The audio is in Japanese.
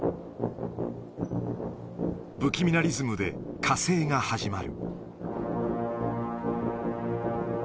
不気味なリズムで火星が始まる。